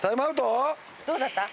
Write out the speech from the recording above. どうだった？